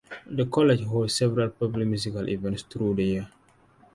The College holds several public musical events throughout the year.